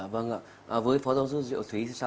vâng ạ với phó giáo sư diệu thúy